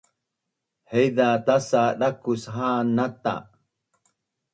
Haiza tas’a dakus ha’an nata